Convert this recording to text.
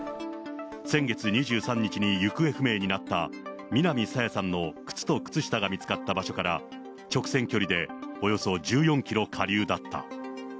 先月２３日に行方不明になった南朝芽さんの靴と靴下が見つかった場所から、直線距離でおよそ１４キロ下流だった。